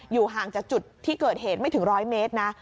ห่างจากจุดที่เกิดเหตุไม่ถึง๑๐๐เมตรนะ